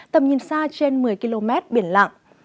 tầm nhìn xa trên một mươi km biển lặng